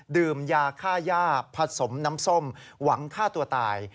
ดื่มยาค่าย่าผสมน้ำส้มหวังฆ่าตัวตาย